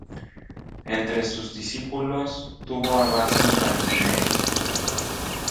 Entre sus discípulos tuvo a Baccio Bandinelli.